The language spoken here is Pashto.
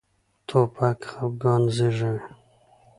توپک خپګان زېږوي.